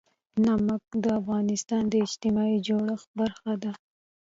نمک د افغانستان د اجتماعي جوړښت برخه ده.